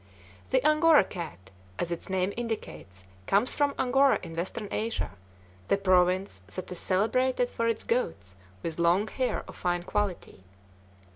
The Angora cat, as its name indicates, comes from Angora in Western Asia, the province that is celebrated for its goats with long hair of fine quality.